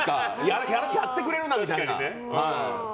やってくれるなみたいな。